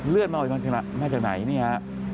เลือดเข้ามามาจากไหนนี่ค่ะ